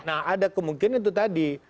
nah ada kemungkinan itu tadi